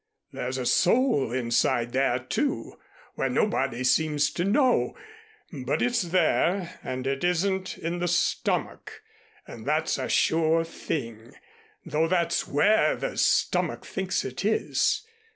There's a soul inside there, too. Where, nobody seems to know, but it's there and it isn't in the stomach, and that's a sure thing, though that's where the stomach thinks it is.